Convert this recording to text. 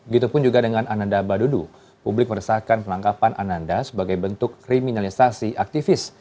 gitu pun juga dengan ananda badudu publik meresahkan penangkapan ananda sebagai bentuk kriminalisasi aktivis